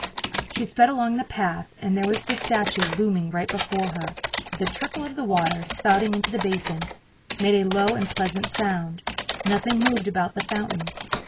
She sped along the path and there was the statue looming right before her. The trickle of the water, spouting into the basin, made a low and pleasant sound. Nothing moved about the fountain.